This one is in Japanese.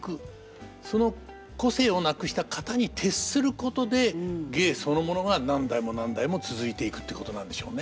その個性をなくした型に徹することで芸そのものが何代も何代も続いていくっていうことなんでしょうね。